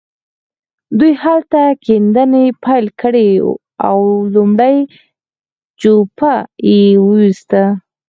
دوی هلته کيندنې پيل کړې او لومړۍ جوپه يې وويسته.